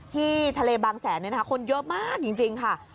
ที่ทะเลบางแสนคนเยอะมากจริงค่ะ